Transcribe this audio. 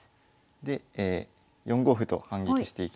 で４五歩と反撃していきますね。